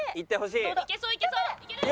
いけそういけそう！